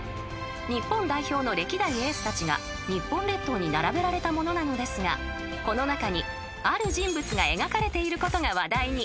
［日本代表の歴代エースたちが日本列島に並べられたものなのですがこの中にある人物が描かれていることが話題に］